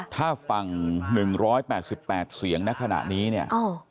ถ้าฝั่ง๑๘๘เสียงในขณะนี้เนี่ย